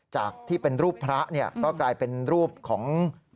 จากที่เป็นรูปพระเนี่ยก็กลายเป็นรูปของ